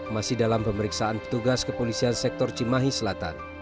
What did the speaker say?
masih dalam pemeriksaan petugas kepolisian sektor cimahi selatan